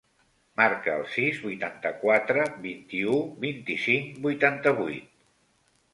Marca el sis, vuitanta-quatre, vint-i-u, vint-i-cinc, vuitanta-vuit.